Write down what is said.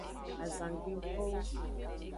Azangbe ngkowo.